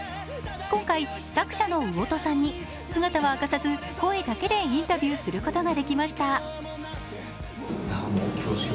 今回作者の魚豊さんに姿は明かさず声だけでインタビューすることができました。